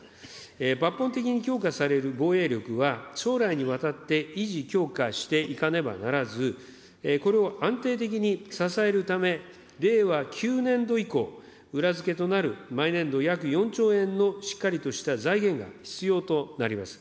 抜本的に強化される防衛力は、将来にわたって維持、強化していかなければならず、これを安定的に支えるため、令和９年度以降、裏付けとなる毎年度約４兆円のしっかりとした財源が必要となります。